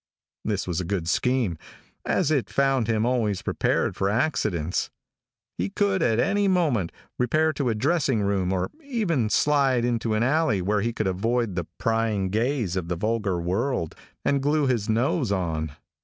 This was a good scheme, as it found him always prepared for accidents. He could, at any moment, repair to a dressing room, or even slide into an alley where he could avoid the prying gaze of the vulgar world, and glue his nose on.